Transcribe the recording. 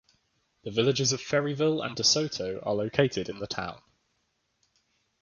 The villages of Ferryville and De Soto are located in the town.